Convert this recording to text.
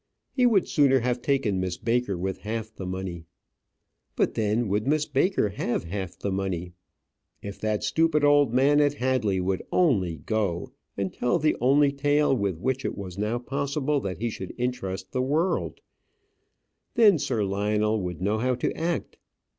He would sooner have taken Miss Baker with half the money. But then would Miss Baker have half the money? If that stupid old man at Hadley would only go, and tell the only tale with which it was now possible that he should interest the world, then Sir Lionel would know how to act.